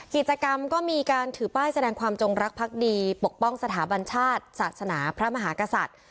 กิจกรรมก็มีการถือป้ายแสดงความจงรักพักดีปกป้องสถาบันชาติศาสนาพระมหากษัตริย์